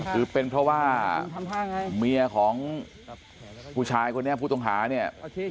คือเป็นเพราะว่าเมียของผู้ชายคนนี้ผู้ต้องหาเนี่ย